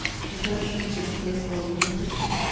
The first sheets of the first volume were printed.